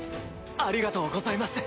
ありがとうございます。